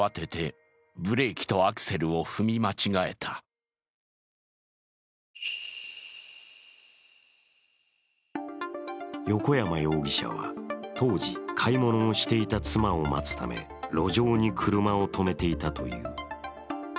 原因について横山容疑者は当時、買い物をしていた妻を待つため路上に車を止めていたという。